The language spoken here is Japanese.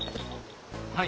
はい。